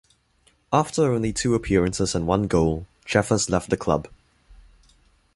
After only two appearances and one goal, Jeffers left the club.